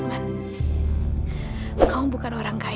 aku mau pergi